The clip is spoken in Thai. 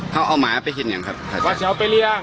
คือขอมาจากไหนนะครับท่าเจ้า